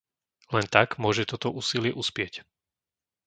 Len tak môže toto úsilie uspieť.